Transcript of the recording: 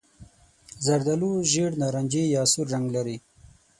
زردالو ژېړ نارنجي یا سور رنګ لري.